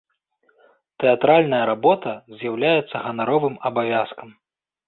Тэатральная работа з'яўляецца ганаровым абавязкам.